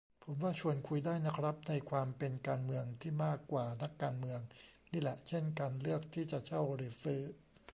ผมว่าชวนคุยได้นะครับ ในความเป็นการเมือง ที่มากกว่านักการเมือง นี่แหละ เช่น การเลือกที่จะเช่าหรือซื้อ